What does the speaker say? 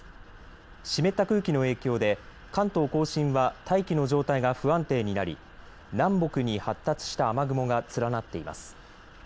湿った空気の影響で関東甲信は大気の状態が不安定になり南北に発達した雨雲が連なっています。